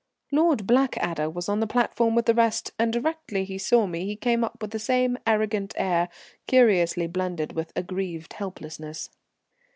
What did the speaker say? Lord Blackadder was on the platform with the rest, and directly he saw me he came up with the same arrogant air, curiously blended with aggrieved helplessness.